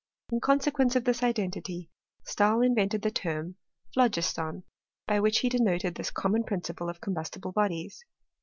In consequence of this identity Stahl invented the term phlogiston, by which he de noted this common principle of combustible bodies.